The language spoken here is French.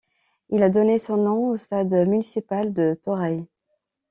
Il a donné son nom au stade municipal de Torreilles.